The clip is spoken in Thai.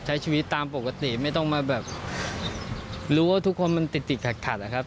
ใช้ชีวิตตามปกติไม่ต้องมาแบบรู้ว่าทุกคนมันติดติดขัดขัดนะครับ